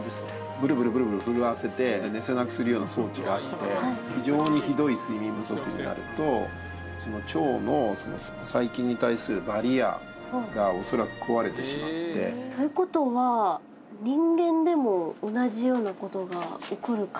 ブルブルブルブル震わせて寝せなくするような装置があって非常にひどい睡眠不足になると腸の細菌に対するバリアが恐らく壊れてしまって。という事は人間でも同じような事が起こる可能性がありますか？